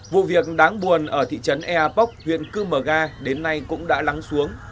vụ việc đáng buồn ở thị trấn ea poc huyện cư mờ ga đến nay cũng đã lắng xuống